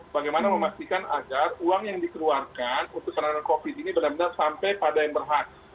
bagaimana memastikan agar uang yang dikeluarkan untuk serangan covid ini benar benar sampai pada yang berhak